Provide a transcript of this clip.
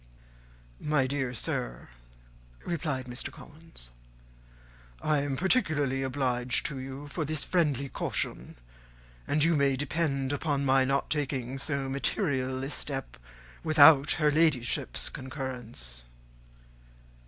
"My dear sir," replied Mr. Collins, "I am particularly obliged to you for this friendly caution, and you may depend upon my not taking so material a step without her Ladyship's concurrence."